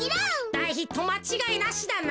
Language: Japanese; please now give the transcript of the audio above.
だいヒットまちがいなしだな。